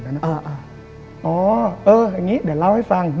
อ๋อเอออย่างนี้เดี๋ยวเล่าให้ฟัง